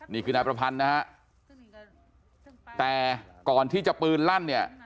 นี่คือนายประพันธ์นะฮะแต่ก่อนที่จะปืนลั่นเนี่ย